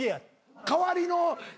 代わりの。